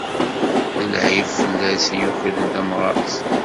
D lɛib fell-as i yukren tamɣart.